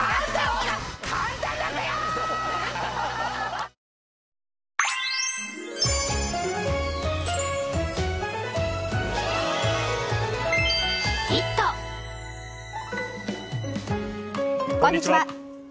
こんにちは。